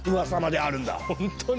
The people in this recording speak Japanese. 本当に？